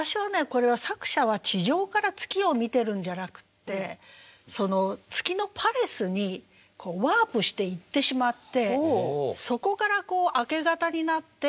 これは作者は地上から月を見てるんじゃなくって月のパレスにワープしていってしまってそこから明け方になって。